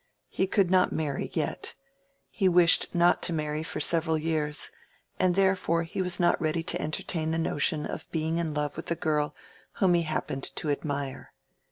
He could not marry yet; he wished not to marry for several years; and therefore he was not ready to entertain the notion of being in love with a girl whom he happened to admire.